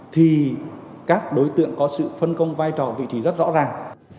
thì các đối tượng có sự phân công vai trò vị trí rất rõ ràng